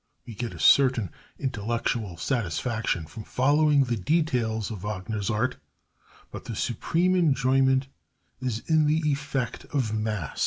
We get a certain intellectual satisfaction from following the details of Wagner's Art, but the supreme enjoyment is in the effect of mass.